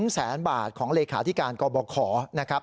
แสนบาทของเลขาธิการกบขนะครับ